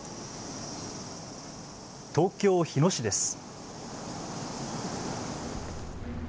東京日野市です。